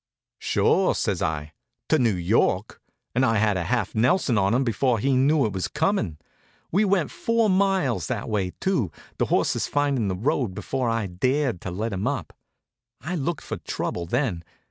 "Sure," says I, "to New York," and I had a half Nelson on him before he knew it was coming. We went four miles that way, too, the horses finding the road, before I dared let him up. I looked for trouble then.